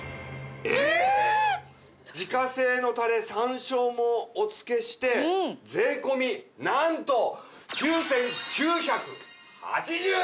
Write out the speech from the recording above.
自家製のたれ山椒もお付けして税込なんと９９８０円！